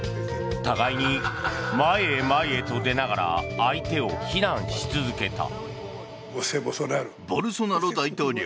互いに前へ前へと出ながら相手を非難し続けた。